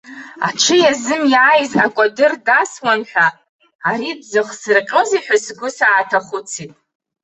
Аҽы иазымиааиз акәадыр дасуан ҳәа, ари дзыхсырҟьозеи ҳәа сгәы сааҭахәыцит.